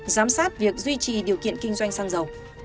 giám sát việc duy trì điều kiện kinh doanh xăng dầu